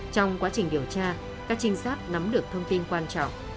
trong quá trình điều tra các trinh sát nắm được thông tin quan trọng